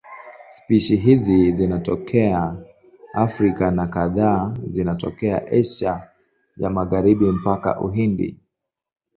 Spishi hizi zinatokea Afrika na kadhaa zinatokea Asia ya Magharibi mpaka Uhindi.